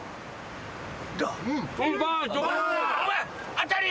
当たり！